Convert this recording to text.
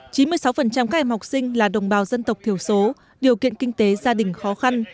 chín mươi sáu các em học sinh là đồng bào dân tộc thiểu số điều kiện kinh tế gia đình khó khăn